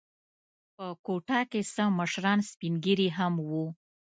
په کوټه کې څه مشران سپین ږیري هم و.